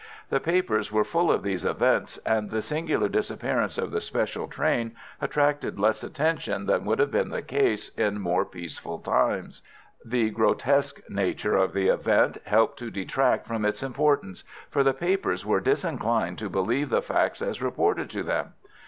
The papers were full of these events, and the singular disappearance of the special train attracted less attention than would have been the case in more peaceful times. The grotesque nature of the event helped to detract from its importance, for the papers were disinclined to believe the facts as reported to them.